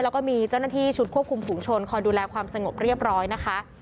แล้วก็มีเจ้าหน้าที่ชุดควบคุมฝูงชนคอยดูแลความสงบเรียบร้อยนะคะ